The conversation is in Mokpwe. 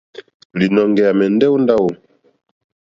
Līnɔ̄ŋgɛ̄ à mɛ̀ndɛ́ ó ndáwù.